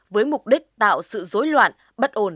với mục đích tạo sự dối loạn bất ổn